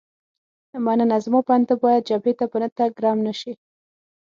مننه، زما په اند ته باید جبهې ته په نه تګ ګرم نه شې.